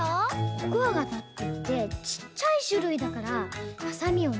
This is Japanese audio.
「コクワガタ」っていってちっちゃいしゅるいだからはさみをね